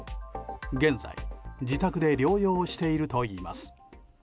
現在、自宅で療養しているといいます。